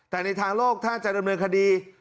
แต่ในทางโลกถ้าจะดำเนินคดี